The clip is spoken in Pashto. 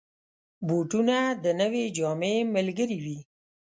بوټونه د نوې جامې ملګري وي.